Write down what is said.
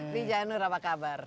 di janur apa kabar